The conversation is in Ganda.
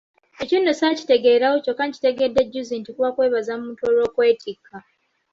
Ekyo nno ssaakitegeererawo kyokka nkitegedde jjuuzi nti kuba kwebaza muntu olw'okwetikka.